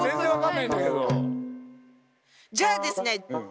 じゃあですね